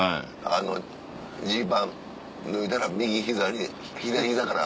あのジーパン脱いだら右膝に左膝かな？